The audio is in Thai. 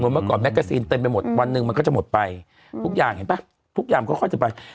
เมื่อก่อนแกซีนเต็มไปหมดวันหนึ่งมันก็จะหมดไปทุกอย่างเห็นป่ะทุกอย่างค่อยจะไป